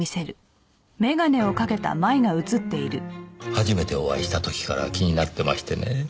初めてお会いした時から気になってましてね